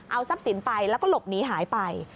เอาทรัพย์สินไปแล้วก็หลบหนีหายไป